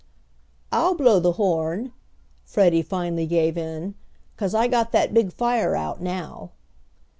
"I'll blow the horn," Freddie finally gave in, "cause I got that big fire out now."